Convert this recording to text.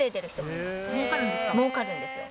もうかるんですか？